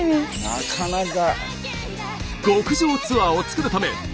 なかなか。